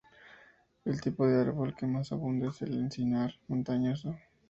El tipo de árbol que más abunda es el encinar montañoso.